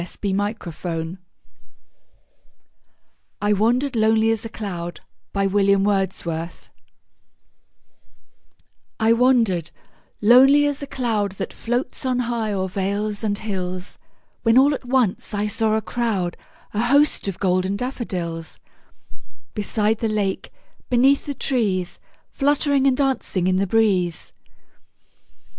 William Wordsworth I Wandered Lonely As a Cloud I WANDERED lonely as a cloud That floats on high o'er vales and hills, When all at once I saw a crowd, A host, of golden daffodils; Beside the lake, beneath the trees, Fluttering and dancing in the breeze.